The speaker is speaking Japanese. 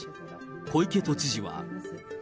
小池都知事は。